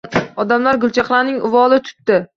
Odamlar Gulchehraning uvoli tutdi